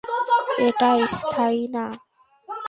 এটা স্থায়ী না।